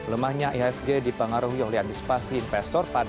lemahnya ihsg dipengaruhi oleh antisipasi investor